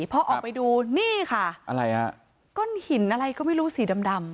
พอออกไปดูนี่ค่ะอะไรฮะก้อนหินอะไรก็ไม่รู้สีดำดำ